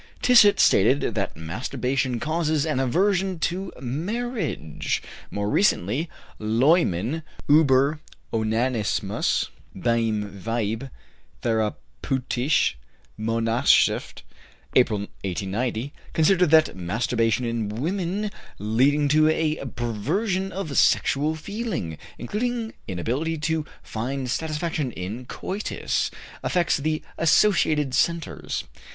Tissot stated that masturbation causes an aversion to marriage. More recently, Loiman ("Ueber Onanismus beim Weibe," Therapeutische Monatshefte, April, 1890) considered that masturbation in women, leading to a perversion of sexual feeling, including inability to find satisfaction in coitus, affects the associated centres.